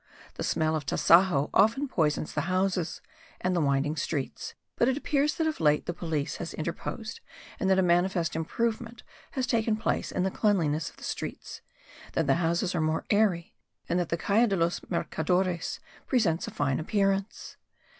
The smell of tasajo often poisons the houses and the winding streets. But it appears that of late the police has interposed and that a manifest improvement has taken place in the cleanliness of the streets; that the houses are more airy and that the Calle de los Mercadores presents a fine appearance.